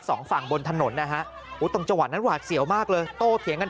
สองฝั่งบนถนน